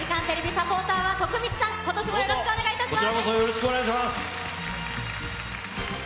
サポーターは徳光さん、ことしもよろしくお願いします。